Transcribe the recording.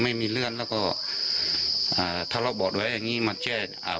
ไม่มีเลื่อนแล้วก็อ่าถ้าเราบอกแบบนี้มันเจ็ดอ่า